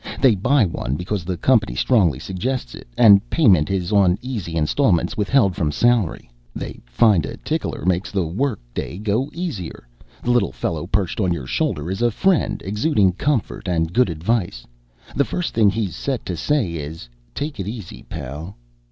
They buy one because the company strongly suggests it and payment is on easy installments withheld from salary. They find a tickler makes the work day go easier. The little fellow perched on your shoulder is a friend exuding comfort and good advice. The first thing he's set to say is 'Take it easy, pal.'